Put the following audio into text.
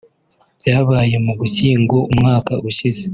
Byabaye mu Gushyingo umwaka ushize